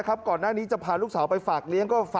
ก่อนหน้านี้จะพาลูกสาวไปฝากเลี้ยง